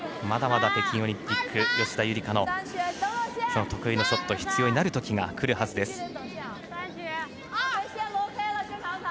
まだまだ北京オリンピック吉田夕梨花の得意のショットが必要になるときが来るはずです。